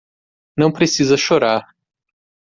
Não precisa chorar.